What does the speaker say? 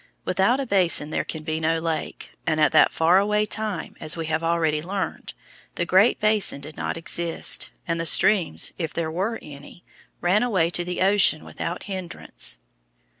Without a basin there can be no lake, and at that far away time, as we have already learned, the Great Basin did not exist, and the streams, if there were any, ran away to the ocean without hindrance.